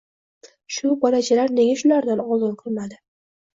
— Shu bolachalar nega shularni oldin qilmadi?